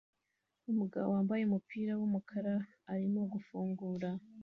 Umugabo wambaye umupira wumukara arimo gufungura